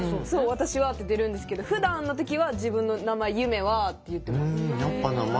「わたしは」って出るんですけどふだんの時は自分の名前「ゆめは」って言ってます。